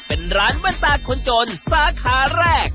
เป็นร้านแว่นตาคนจนสาขาแรก